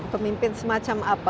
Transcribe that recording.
pemimpin semacam apa ya